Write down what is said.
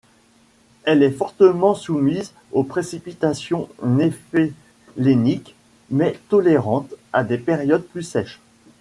Elle est fortement soumise aux précipitations néphéléniques mais tolérante à des périodes plus sèches.